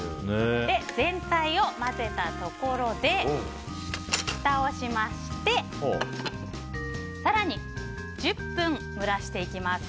全体を混ぜたところでふたをしまして更に１０分蒸らしていきます。